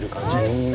うん。